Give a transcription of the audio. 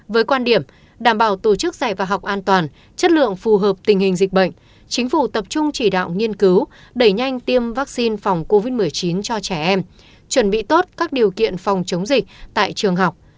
với quan điểm đảm bảo tổ chức dạy và học an toàn chất lượng phù hợp tình hình dịch bệnh chính phủ tập trung chỉ đạo nghiên cứu đẩy nhanh tiêm vaccine phòng covid một mươi chín cho trẻ em chuẩn bị tốt các điều kiện phòng chống dịch tại trường học